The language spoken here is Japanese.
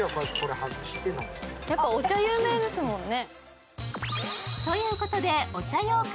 やっぱりお茶、有名ですもんね。